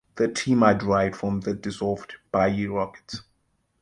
The team are derived from the dissolved Bayi Rockets.